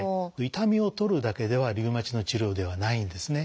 痛みを取るだけではリウマチの治療ではないんですね。